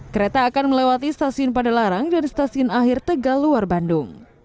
kereta akan melewati stasiun padalarang dan stasiun akhir tegal luar bandung